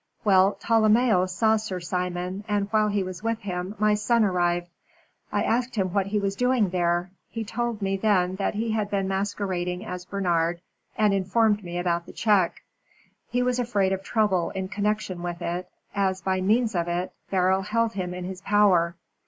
Well, Tolomeo saw Sir Simon, and while he was with him, my son arrived. I asked him what he was doing there. He told me then that he had been masquerading as Bernard, and informed me about the check. He was afraid of trouble in connection with it, as by means of it, Beryl held him in his power.